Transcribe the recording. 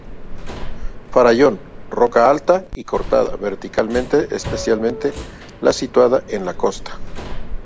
Farallón: roca alta y cortada verticalmente especialmente la situada en la costa.